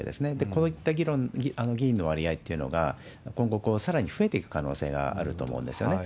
こういった議員の割合っていうのが、今後、さらに増えていく可能性があると思うんですよね。